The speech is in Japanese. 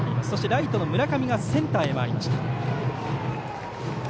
ライトの村上がセンターに回りました。